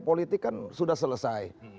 politik kan sudah selesai